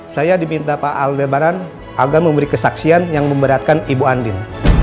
saya diminta pak al debaran agar memberi kesaksian yang memberatkan ibu andin